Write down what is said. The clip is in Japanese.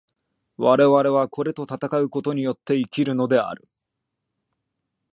我々はこれと戦うことによって生きるのである。